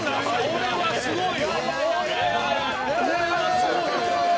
これはすごい。